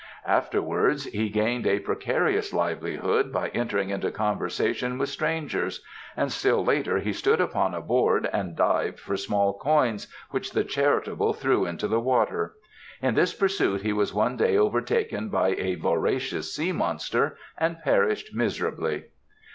Afterwards he gained a precarious livelihood by entering into conversation with strangers, and still later he stood upon a board and dived for small coins which the charitable threw into the water. In this pursuit he was one day overtaken by a voracious sea monster and perished miserably.